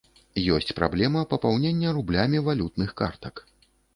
Ёсць праблема папаўнення рублямі валютных картак.